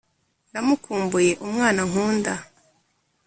ndamukumbuye umwana nkunda